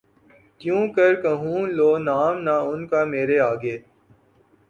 کیوں کر کہوں لو نام نہ ان کا مرے آگے